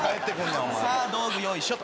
さあ、道具、よいしょっと。